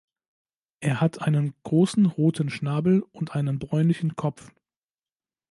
Er hat einen großen roten Schnabel und einen bräunlichen Kopf.